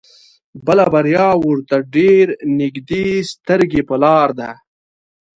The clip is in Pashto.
بله بريا ورته ډېر نيږدې سترګې په لار ده.